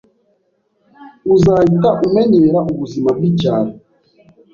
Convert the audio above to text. Uzahita umenyera ubuzima bwicyaro.